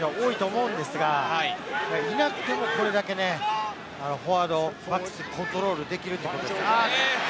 デュポンを見たかった人たちは多いと思うんですが、いなくてもこれだけフォワード、バックス、コントロールできるということです。